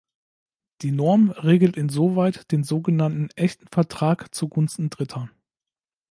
Die Norm regelt insoweit den sogenannten „echten Vertrag zugunsten Dritter“.